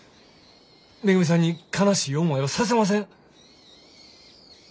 めぐみさんに悲しい思いはさせません。